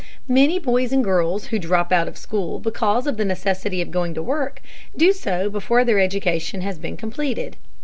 Many boys and girls who drop out of school because of the necessity of going to work, do so before their education has been completed.